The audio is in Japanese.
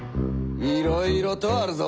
いろいろとあるぞ。